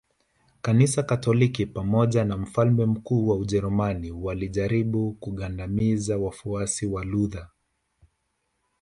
Kanisa Katoliki pamoja na mfalme mkuu wa Ujerumani walijaribu kugandamiza wafuasi wa Luther